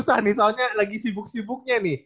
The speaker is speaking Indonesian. susah nih soalnya lagi sibuk sibuknya nih